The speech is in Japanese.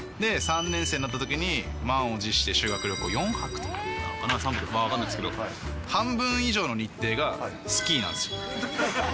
３年生になったときに、満を持して修学旅行４泊だったかな、３泊、分かんないですけど、半分以上の日程がスキーなんですよ。